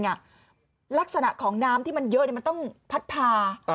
เอาจริงลักษณะของน้ำที่มันเยอะเลยมันต้องพัดพา